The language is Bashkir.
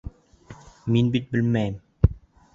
Мин бит белмәнем.